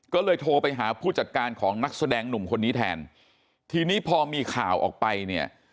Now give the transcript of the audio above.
ก็เลยโทรไปหาผู้จัดการของนักแสดงหนุ่มคนนี้แทนทีนี้พอมีข่าวออกไปเนี่ย